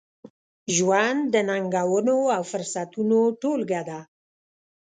ژوند د ننګونو، او فرصتونو ټولګه ده.